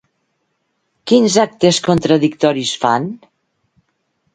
Quins actes contradictoris fan?